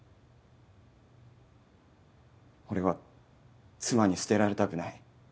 俺は妻に捨てられたくない。